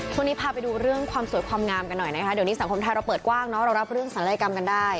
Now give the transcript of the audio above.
ช่วงนี้พาไปดูเรื่องความสวยความงามกันหน่อยนะคะเดี๋ยวนี้สังคมไทยเราเปิดกว้างเนอะเรารับเรื่องศัลยกรรมกันได้